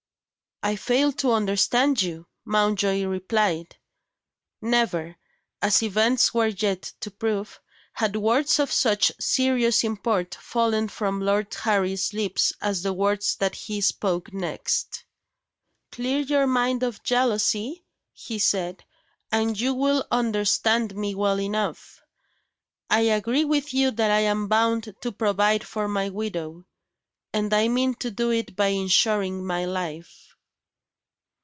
"I fail to understand you," Mountjoy replied. Never as events were yet to prove had words of such serious import fallen from Lord Harry's lips as the words that he spoke next. "Clear your mind of jealousy," he said, "and you will understand me well enough. I agree with you that I am bound to provide for my widow and I mean to do it by insuring my life."